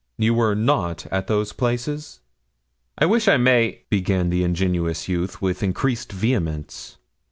You were not at those places?' 'I wish I may ,' began the ingenuous youth, with increased vehemence.